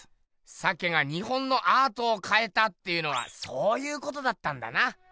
「鮭が日本のアートを変えた」っていうのはそういうことだったんだな。